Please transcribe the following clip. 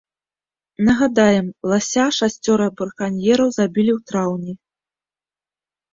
Нагадаем, лася шасцёра браканьераў забілі ў траўні.